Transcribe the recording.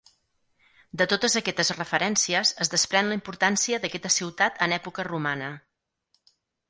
De totes aquestes referències es desprèn la importància d'aquesta ciutat en època romana.